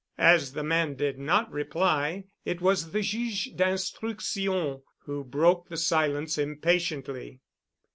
As the man did not reply, it was the Juge d'Instruction who broke the silence impatiently.